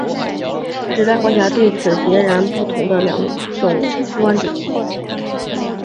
卡拉瓦乔同时代的画家对此持截然不同的两种观点。